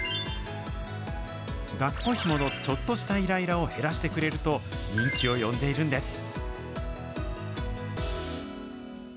だっこひものちょっとしたいらいらを減らしてくれると、人気を呼んでいるんです。